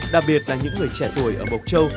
đặc biệt là những người trẻ tuổi ở mộc châu